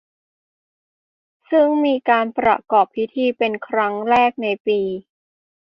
ซึ่งมีการประกอบพิธีเป็นครั้งแรกในปี